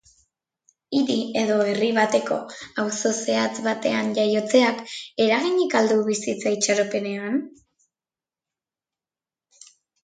Hiri edo herri bateko auzo zehatz batean jaiotzeak eraginik al du bizitza itxaropenean?